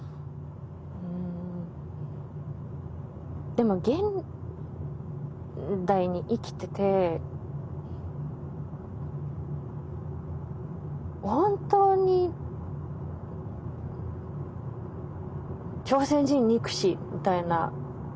でも現代に生きてて本当に朝鮮人憎しみたいなことを考えるか？